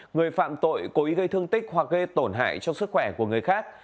người phạm tội cố ý gây thương tích hoặc gây tổn hại cho sức khỏe của người khác